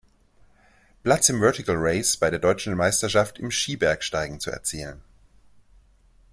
Platz im Vertical Race bei der Deutschen Meisterschaft im Skibergsteigen zu erzielen.